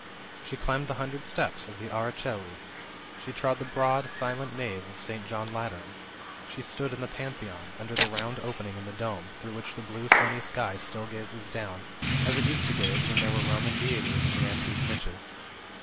She climbed the hundred steps of the Ara Coeli; she trod the broad, silent nave of St. John Lateran; she stood in the Pantheon, under the round opening in the dome, through which the blue sunny sky still gazes down, as it used to gaze when there were Roman deities in the antique niches.